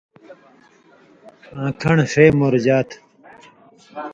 آں کھن٘ڑہۡ ݜے مورژا تھہ